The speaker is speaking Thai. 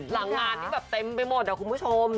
หลังงานเต็มไปหมดครับคุณผู้ชม